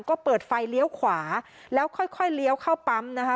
ก็เปิดไฟเลี้ยวขวาแล้วค่อยเลี้ยวเข้าปั๊มนะคะ